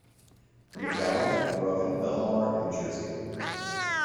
McGowan grew up in Belmar, New Jersey.